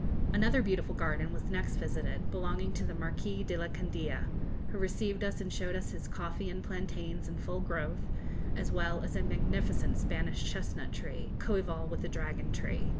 Another beautiful garden was next visited, belonging to the Marquis de la Candia, who received us and showed us his coffee and plantains in full growth, as well as a magnificent Spanish chestnut tree, coëval with the dragon tree.